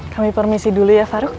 kami permisi dulu ya faruk